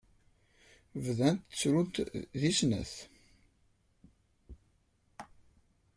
Bdant ttrunt deg snat.